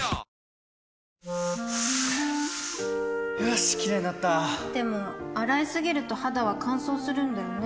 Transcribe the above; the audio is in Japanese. よしキレイになったでも、洗いすぎると肌は乾燥するんだよね